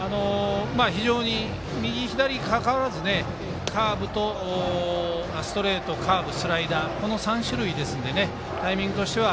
非常に右、左にかかわらずストレート、カーブ、スライダーこの３種類ですのでタイミングとしては。